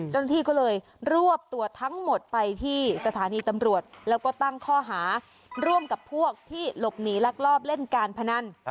เจ้าหน้าที่ก็เลยรวบตัวทั้งหมดไปที่สถานีตำรวจแล้วก็ตั้งข้อหาร่วมกับพวกที่หลบหนีลักลอบเล่นการพนัน